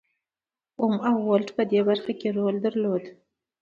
اوم او ولټ په دې برخه کې رول درلود.